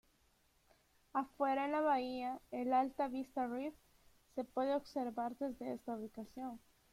Afuera en la bahía, el Alta Vista Reef se puede observar desde esta ubicación.